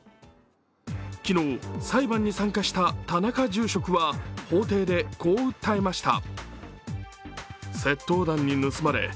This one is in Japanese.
昨日、裁判に参加した田中住職は法廷でこう訴えました。